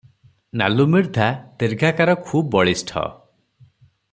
ନାଲୁ ମିର୍ଦ୍ଧା ଦୀର୍ଘାକାର ଖୁବ୍ ବଳିଷ୍ଠ ।